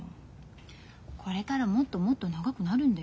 これからもっともっと長くなるんだよ。